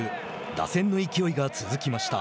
打線の勢いが続きました。